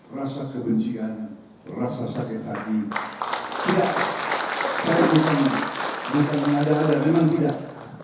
rasa kebencian rasa sakit hati tidak saya bisa mengadakan memang tidak